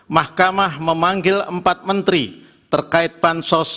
mahkamah memanggil empat menteri terkait pansos